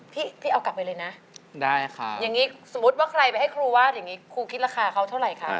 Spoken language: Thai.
พี่พี่เอากลับไปเลยนะได้ค่ะอย่างนี้สมมุติว่าใครไปให้ครูวาดอย่างนี้ครูคิดราคาเขาเท่าไหร่คะ